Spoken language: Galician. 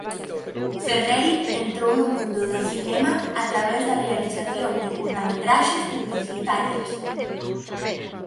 Ferreri entrou no mundo do cinema a través da realización de curtametraxes publicitarias.